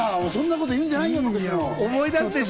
そんなこと言うんじゃねえよ！